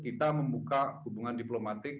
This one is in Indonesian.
kita membuka hubungan diplomatik